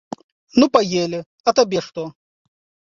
Ну паелі, а табе што?